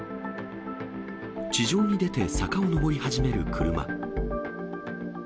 地上に出て坂を上り始める車。